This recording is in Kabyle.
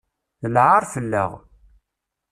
D lɛaṛ fell-aɣ.